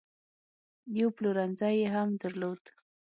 یو پلورنځی یې هم درلود.